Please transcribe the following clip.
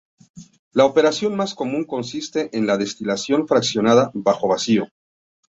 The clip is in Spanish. La operación más común consiste en la destilación fraccionada bajo vacío.